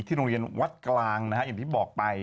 ที่โรงเรียนวัดกลางอย่างที่บอกไป